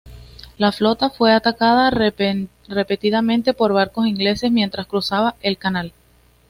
La flota fue atacada repetidamente por barcos ingleses mientras cruzaba el canal.